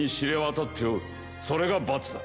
それが罰だ。